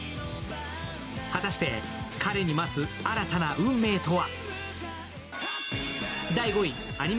果たして彼に待つ新たな運命とは。